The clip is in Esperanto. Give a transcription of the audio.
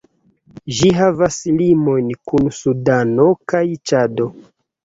Ĝi havas limojn kun Sudano kaj Ĉado.